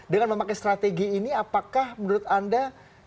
dengan memakai strategi ini apakah menurut anda